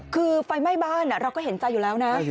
คือไฟไหม้บ้านเราก็เห็นใจอยู่แล้วนะ